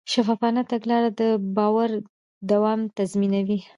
شفافه تګلاره د باور دوام تضمینوي.